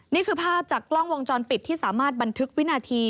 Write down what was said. นี่คือภาพจากกล้องวงจรปิดที่สามารถบันทึกวินาที